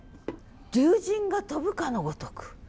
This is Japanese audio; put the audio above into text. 「龍神が飛ぶかの如く」。